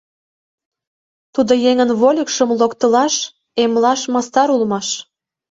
Тудо еҥын вольыкшым локтылаш-эмлаш мастар улмаш.